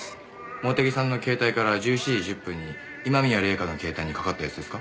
茂手木さんの携帯から１７時１０分に今宮礼夏の携帯にかかったやつですか？